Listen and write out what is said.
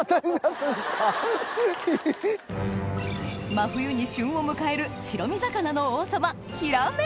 真冬に旬を迎える白身魚の王様